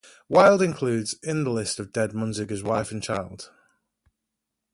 Wylde includes in the list of dead Munzinger's wife and child.